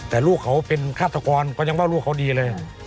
แต่ลูกเขาเป็นฆาตกรก็ยังว่าลูกเขาดีเลย